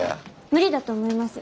無理だと思います。